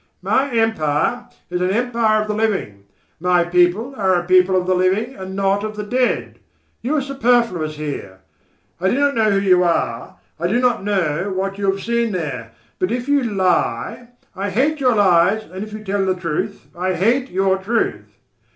"My empire is an empire of the living; my people are a people of the living and not of the dead. You are superfluous here. I do not know who you are, I do not know what you have seen There, but if you lie, I hate your lies, and if you tell the truth, I hate your truth.